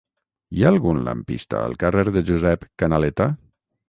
Hi ha algun lampista al carrer de Josep Canaleta?